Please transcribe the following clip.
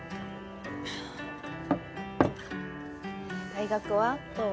大学はどう？